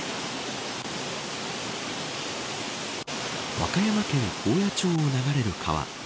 和歌山県高野町を流れる川。